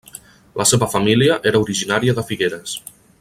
La seva família era originària de Figueres.